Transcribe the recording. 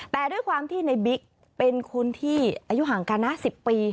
แต่ด้วยความที่ในบิ๊กเป็นคนที่อายุห่างกันนะ๑๐ปี